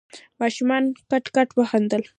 ماشومانو کټ کټ وخندل.